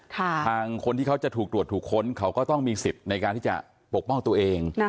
ทางคนที่เขาจะถูกตรวจถูกค้นเขาก็ต้องมีสิทธิ์ในการที่จะปกป้องตัวเอง